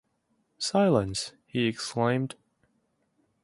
‘Silence!’ he exclaimed.